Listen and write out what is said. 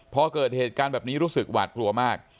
พอเกิดเหตุการณ์แบบนี้รู้สึกหวาดกลัวมาก